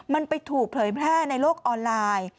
มันไปถูกเผยแพร่ในโลกออนไลน์